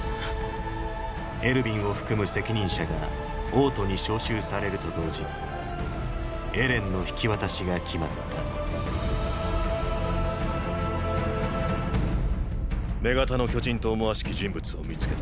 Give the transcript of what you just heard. エルヴィンを含む責任者が王都に招集されると同時にエレンの引き渡しが決まった女型の巨人と思わしき人物を見つけた。